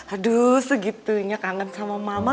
aduh segitunya kangen sama mama